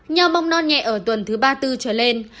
nhau bong non nhẹ ở tuần thứ ba mươi bốn trở lên